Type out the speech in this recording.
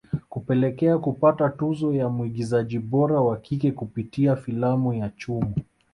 Kupelekea kupata tuzo ya mwigizaji bora wa kike kupitia filamu ya Chumo